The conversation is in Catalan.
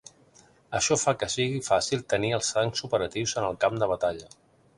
Això fa que sigui fàcil tenir els tancs operatius en el camp de batalla.